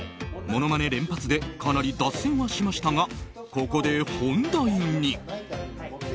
ものまね連発でかなり脱線はしましたがここで本題に。